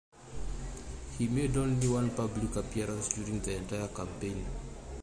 He made only one public appearance during the entire campaign.